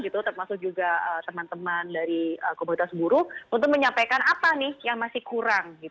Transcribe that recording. termasuk juga teman teman dari komunitas buruh untuk menyampaikan apa nih yang masih kurang